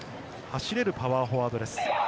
走れるパワーフォワードです。